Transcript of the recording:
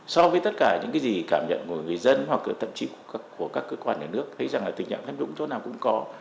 so với tất cả những cái gì cảm nhận của người dân